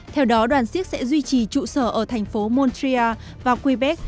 theo đó đoàn siếc sẽ duy trì trụ sở ở thành phố montrea và quebec